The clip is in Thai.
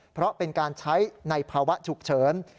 เพราะเป็นการใช้ในภาวะฉุกเฉิน